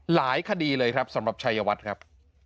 หลายคดีเลยครับสำหรับชัยวัดครับ